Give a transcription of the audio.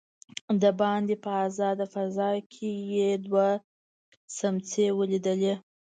دباندې په آزاده فضا کې يې دوه سمڅې وليدلې.